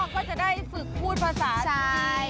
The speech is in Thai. อ๋อก็จะได้ฝึกพูดภาษาจีน